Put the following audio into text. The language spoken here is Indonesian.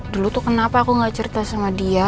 dulu tuh kenapa aku gak cerita sama dia